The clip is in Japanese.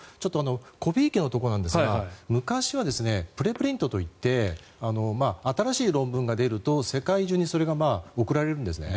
コピー機のところなんですが昔はプレプリントといって新しい論文が出ると、世界中にそれが送られるんですね。